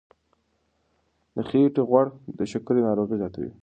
د خېټې غوړ د شکرې ناروغي زیاتوي.